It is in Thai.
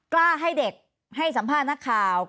กล้าให้เด็กให้สัมภาษณ์นักข่าว